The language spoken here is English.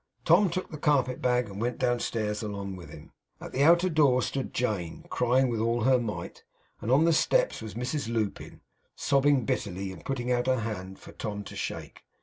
Tom took the carpet bag, and went downstairs along with him. At the outer door stood Jane, crying with all her might; and on the steps was Mrs Lupin, sobbing bitterly, and putting out her hand for Tom to shake.